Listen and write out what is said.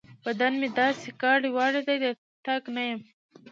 بدن مې داسې کاړې واړې دی؛ د تګ نه يم.